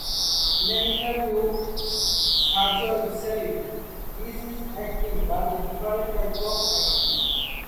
In an interview, Sagal said: This is acting, but a different type of acting.